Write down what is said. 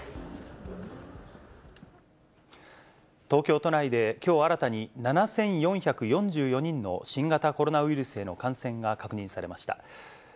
東京都内で、きょう新たに７４４４人の新型コロナウイルスへの感染が確認されました。